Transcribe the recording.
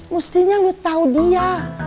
mestinya lo tahu dia